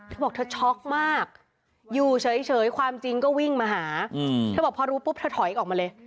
เธอบอกเธอช็อกมากอยู่เฉยความจริงก็วิ่งมาหาเธอบอกพอรู้ปุ๊บเธอถอยออกมาเลย